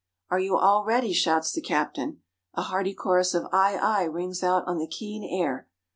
"Are you all ready?" shouts the captain. A hearty chorus of "Ay, ay," rings out on the keen air.